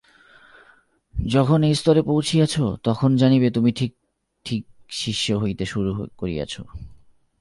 যখন এই স্তরে পৌঁছিয়াছ, তখন জানিবে তুমি ঠিক ঠিক শিষ্য হইতে শুরু করিয়াছ।